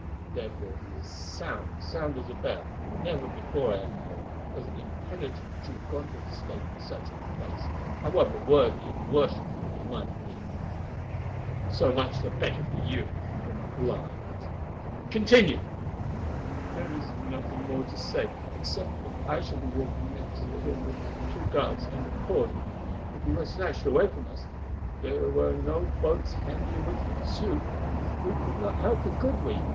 Therefore he is sound—sound as a bell; never before, I am told, has an impenitent Jew gone to the stake in such good case, however worthy and worshipful he might be." "So much the better for you, if you do not lie," answered Peter. "Continue!" "There is nothing more to say, except that I shall be walking near to him with the two guards, and, of course, if he were snatched away from us, and there were no boats handy in which to pursue, we could not help it, could we?